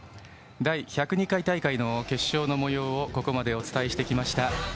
第１０２回大会の決勝のもようをここまでお伝えしてきました。